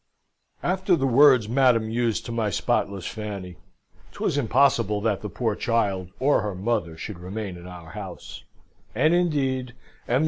"After the words Madam used to my spotless Fanny, 'twas impossible that the poor child or her mother should remain in our house: and indeed M.